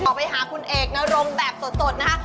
ไปหาคุณเอกนรงแบบสดนะคะ